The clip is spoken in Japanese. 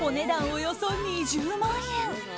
およそ２０万円。